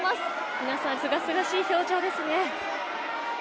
皆さんすがすがしい表情ですね。